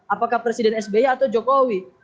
apakah presiden sby atau jokowi